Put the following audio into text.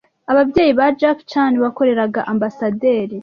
Ababyeyi ba Jack Chan bakoreraga Ambasaderi